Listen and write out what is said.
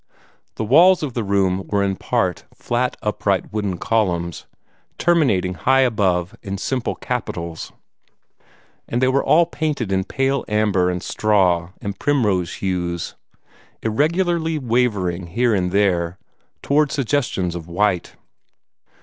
The walls of the room were in part of flat upright wooden columns, terminating high above in simple capitals, and they were all painted in pale amber and straw and primrose hues, irregularly wavering here and there toward suggestions of white.